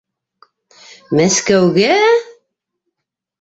Мәскәүгә?!